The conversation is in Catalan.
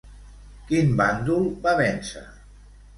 Quin bàndol va vèncer?